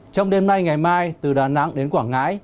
trong đêm nay ngày mai từ đà nẵng đến quảng ngãi